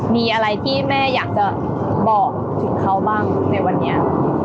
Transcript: มีอะไรที่แม่อยากจะบอกถึงเขาบ้างในวันนี้